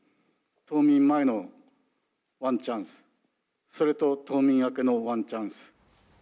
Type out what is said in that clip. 冬眠前のワンチャンス、それと冬眠明けのワンチャンス。